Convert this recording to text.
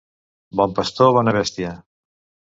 Bon pastor, bona bèstia.